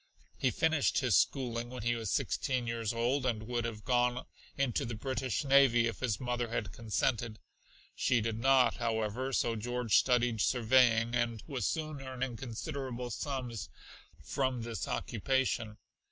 He finished his schooling when he was sixteen years old, and would have gone into the British navy if his mother had consented. She did not, however, so George studied surveying; and was soon earning considerable sums from this occupation.